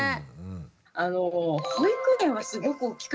あの保育園はすごく大きかったです。